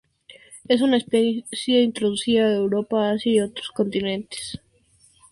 Es una especie introducida a Europa, Asia, y otros continentes.